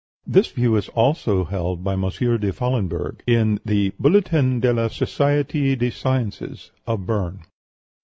This view is also held by M. de Fallenberg, in the "Bulletin de la Société des Sciences" of Berne.